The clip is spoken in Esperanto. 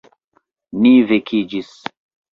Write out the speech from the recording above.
Ni vekiĝis.